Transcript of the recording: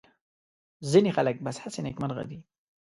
ځینې خلک بس هسې نېکمرغه دي.